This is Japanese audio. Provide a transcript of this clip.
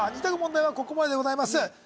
２択問題はここまででございます